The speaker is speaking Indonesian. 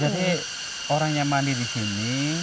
jadi orang yang mandi disini